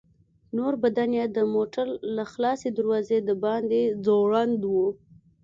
نور بدن يې د موټر له خلاصې دروازې د باندې ځوړند و.